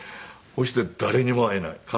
そして誰にも会えない。